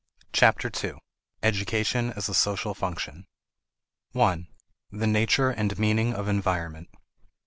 Chapter Two: Education as a Social Function 1. The Nature and Meaning of Environment.